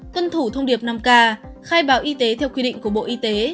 tuân thủ thông điệp năm k khai báo y tế theo quy định của bộ y tế